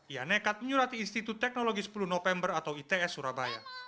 ia nekat menyurati institut teknologi sepuluh november atau its surabaya